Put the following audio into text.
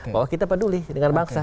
bahwa kita peduli dengan bangsa